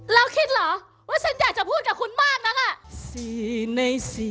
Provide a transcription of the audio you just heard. เราคิดเหรอว่าฉันอยากจะพูดกับคุณมากนักอ่ะ